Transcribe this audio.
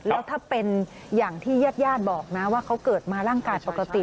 แล้วถ้าเป็นอย่างที่ญาติญาติบอกนะว่าเขาเกิดมาร่างกายปกติ